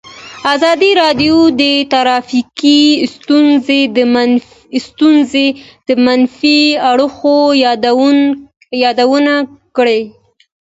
ازادي راډیو د ټرافیکي ستونزې د منفي اړخونو یادونه کړې.